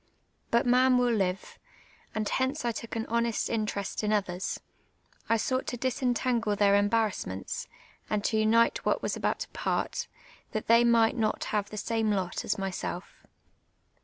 Ikit man will live ; and hence I took an honest interest in others ; I sought to disentangle their emban*assments, and to unite what was about to ])art, that tlu'V might not have the same lot as myself.